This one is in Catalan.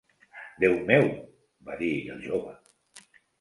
"Déu meu", va dir el jove.